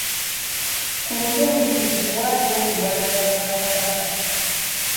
Ku mulundi guno tewaaliwo kulwanira bwakabaka.